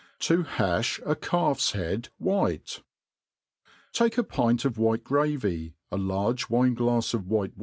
ta hajb a Calf*s Head white. TAKE a pint of white gravy, a large wine glafs of white* .